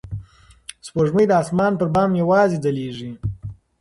سپوږمۍ د اسمان پر بام یوازې ځلېږي.